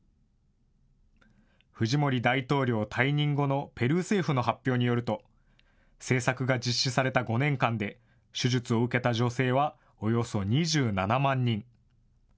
フジモリ大統領退任後のペルー政府の発表によると、政策が実施された５年間で、手術を受けた女性はおよそ２７万人。